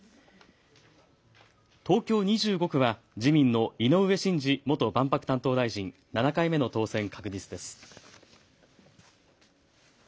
東京２５区は自民の井上信治元万博担当大臣、７回目の当選確実です。